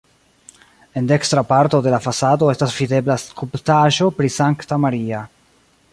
En dekstra parto de la fasado estas videbla skulptaĵo pri Sankta Maria.